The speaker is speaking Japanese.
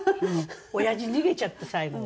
おやじ逃げちゃった最後は。